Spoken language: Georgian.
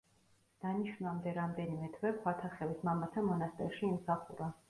დანიშვნამდე რამდენიმე თვე ქვათახევის მამათა მონასტერში იმსახურა.